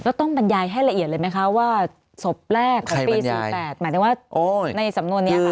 แล้วต้องบรรยายให้ละเอียดเลยไหมคะว่าศพแรกของปี๔๘หมายถึงว่าในสำนวนนี้ค่ะ